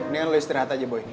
ini kan lu istirahat aja boy